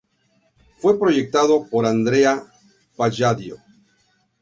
Fue proyectado por Andrea Palladio.